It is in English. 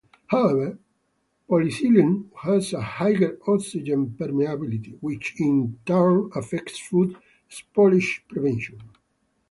However, polyethylene has a higher oxygen permeability, which in turn affects food spoilage prevention.